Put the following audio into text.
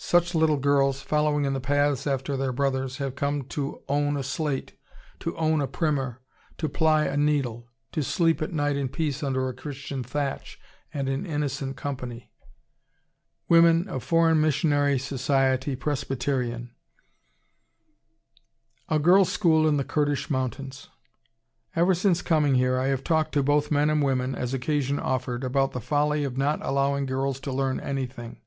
Such little girls, following in the paths after their brothers, have come to own a slate, to own a primer, to ply a needle, to sleep at night in peace under a Christian thatch and in innocent company. ("Other Children" by Jean Mackenzie, Wom. For. Miss. Soc. Pres.) A GIRLS' SCHOOL IN THE KURDISH MOUNTAINS Ever since coming here I have talked to both men and women, as occasion offered, about the folly of not allowing girls to learn anything.